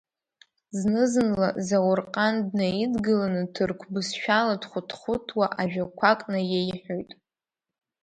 Зны-зынла Заурҟан днаидгыланы, ҭырқә бызшәала дхәыҭхәыҭуа ажәақәак наиеиҳәоит.